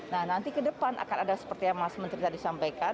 nah nanti ke depan akan ada seperti yang mas menteri tadi sampaikan